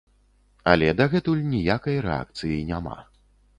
Але дагэтуль ніякай рэакцыі няма.